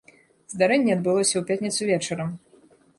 Здарэнне адбылося ў пятніцу вечарам.